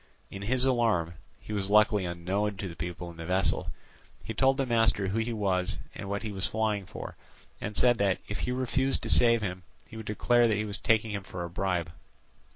In his alarm—he was luckily unknown to the people in the vessel—he told the master who he was and what he was flying for, and said that, if he refused to save him, he would declare that he was taking him for a bribe.